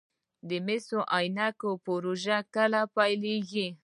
د مس عینک پروژه کله پیلیږي؟